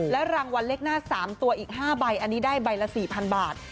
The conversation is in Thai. รางวัลเลขหน้า๓ตัวอีก๕ใบอันนี้ได้ใบละ๔๐๐๐บาท